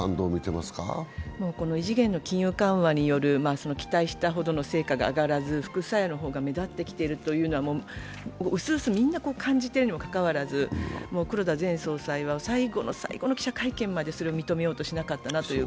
この異次元の金融緩和による期待したほどの効果が上がらず副作用の方が目立ってきているというのは、薄々みんな感じているにもかかわらず黒田前総裁は最後の最後の記者会見まで、それを認めようとしなかったなという